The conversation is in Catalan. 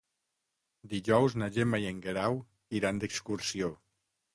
Dijous na Gemma i en Guerau iran d'excursió.